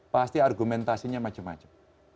pasti argumentasinya macam macam